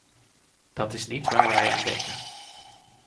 Dat is niet waar wij aan denken.